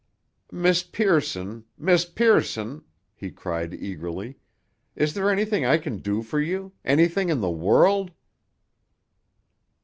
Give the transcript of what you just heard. "Miss Pearson!—Miss Pearson!" he cried eagerly. "Is there anything I can do for you—anything in the world?"